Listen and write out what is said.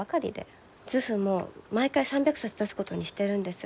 図譜も毎回３００冊出すことにしてるんです。